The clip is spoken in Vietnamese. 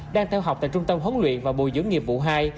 đang theo học tại trung tâm huấn luyện và bồi dưỡng nghiệp vụ hai